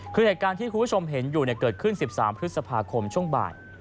คือเหตุการณ์ที่คุณผู้ชมเห็นอยู่เกิดขึ้น๑๓พฤษภาคมช่วงบ่าย